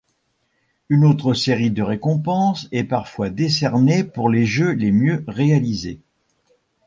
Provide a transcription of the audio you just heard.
Une autre série de récompenses est parfois décernée pour les jeux les mieux réalisés.